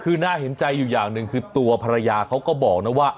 คือน่าเห็นใจอยู่อย่างหนึ่งคือตัวภรรยาเขาก็บอกนะว่า